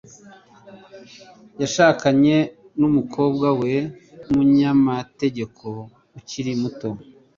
Yashakanye n'umukobwa we n'umunyamategeko ukiri muto.